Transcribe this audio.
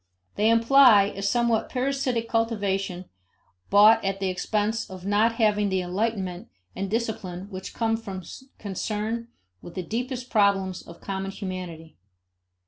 They imply a somewhat parasitic cultivation bought at the expense of not having the enlightenment and discipline which come from concern with the deepest problems of common humanity.